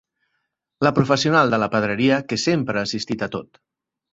La professional de la pedreria que sempre ha assistit a tot.